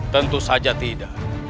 tentu saja tidak